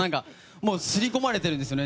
刷り込まれてるんですよね。